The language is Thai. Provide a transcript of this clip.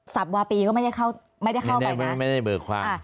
สับวาปีก็ไม่ได้เข้าไม่ได้เข้าไปนะไม่ได้เบอร์ความ